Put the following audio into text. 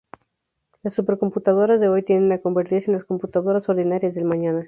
Las supercomputadoras de hoy tienden a convertirse en las computadoras ordinarias del mañana.